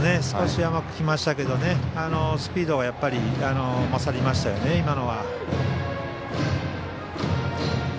少し甘くきましたけどスピードがやっぱり勝りましたよね、今のは。